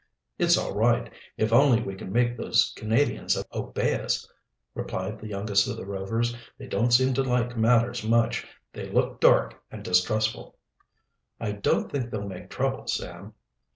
"It's all right, if only we can make those Canadians obey us," replied the youngest of the Rovers. "They don't seem to like matters much. They look dark and distrustful." "I don't think they'll make trouble, Sam."